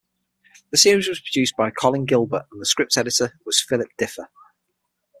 The series was produced by Colin Gilbert and the script editor was Philip Differ.